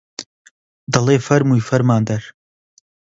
دەڵێ فەرمووی فەرماندەر